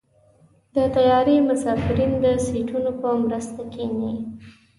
د طیارې مسافرین د سیټونو په مرسته کېني.